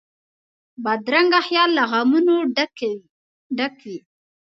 بدرنګه خیال له غمونو ډک وي